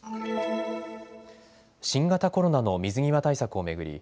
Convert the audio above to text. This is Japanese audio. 新型コロナの水際対策を巡り